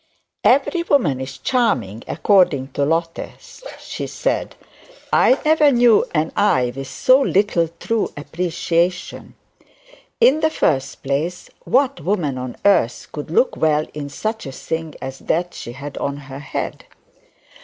'Every woman is charming according to Lotte,' she said; 'I never knew an eye with so little true appreciation. In the first place, what woman on earth could look well in such a thing as that she had on her head?'